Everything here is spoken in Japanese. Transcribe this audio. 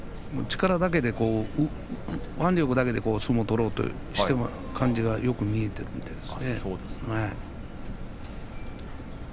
力だけで腕力だけで相撲を取ろうとしている感じがよく見えています。